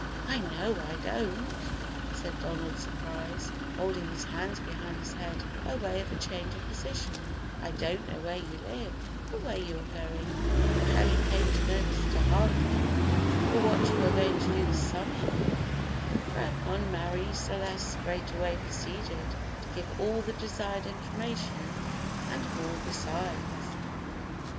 "Why, no, I don't," said Donald, surprised, folding his hands behind his head by way of a change of position; "I don't know where you live, or where you are going, or how you came to know Mr. Hartley, or what you are going to do this summer;" whereupon Marie Celeste straightway proceeded to give all the desired information, and more besides.